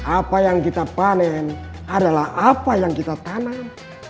apa yang kita panen adalah apa yang kita tanam